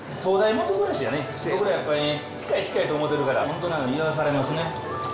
僕らやっぱり近い近いと思ってるから本当に癒やされますね。